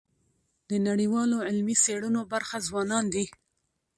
د نړیوالو علمي څيړنو برخه ځوانان دي.